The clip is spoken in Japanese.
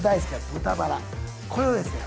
豚バラこれをですね